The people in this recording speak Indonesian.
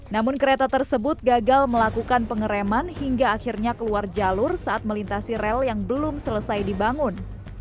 namun kereta tersebut gagal melakukan pengereman hingga akhirnya keluar jalur saat melintasi rel yang belum selesai dibangun